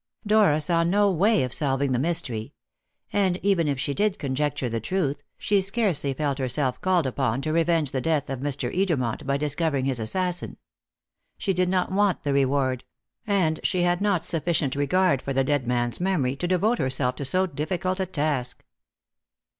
Dora saw no way of solving the mystery; and even if she did conjecture the truth, she scarcely felt herself called upon to revenge the death of Mr. Edermont by discovering his assassin. She did not want the reward, and she had not sufficient regard for the dead man's memory to devote herself to so difficult a task.